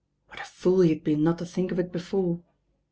What a fool he had been not to think of it before.